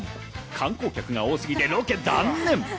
観光客が多すぎてロケ断念。